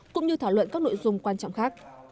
cũng như thảo luận các nội dung quan trọng khác